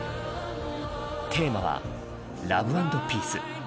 テーマは、ラブ＆ピース。